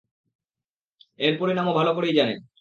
এর পরিণাম ও ভালো করেই জানে।